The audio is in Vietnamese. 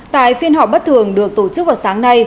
tại phiên họp bất thường được tổ chức vào sáng nay